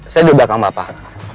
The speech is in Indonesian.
saya di belakang mbak pak